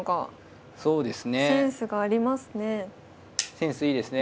センスいいですね